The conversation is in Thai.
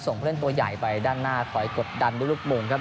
ส่งเพื่อนตัวใหญ่ไปด้านหน้าคอยกดดันด้วยรูปมุงครับ